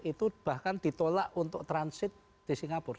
itu bahkan ditolak untuk transit di singapura